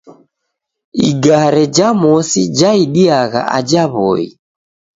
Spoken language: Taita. Igare ja mosi jaidiagha aja W'oi.